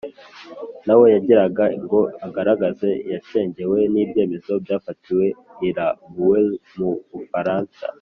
na we yagiraga ngo agaragaze yacengewe n'ibyemezo byafatiwe i la baule mu bufaransa.